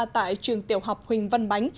tại trường tiểu học huỳnh văn bánh